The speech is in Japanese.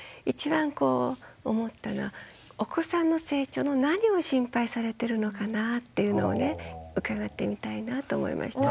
こう思ったのはお子さんの成長の何を心配されてるのかなっていうのをね伺ってみたいなと思いましたね。